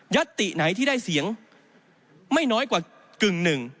ติไหนที่ได้เสียงไม่น้อยกว่ากึ่งหนึ่ง